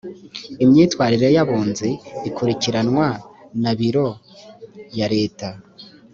imyitwarire y abunzi ikurikiranwa na biro ya leta